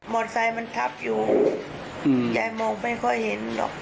ไซค์มันทับอยู่ยายมองไม่ค่อยเห็นหรอก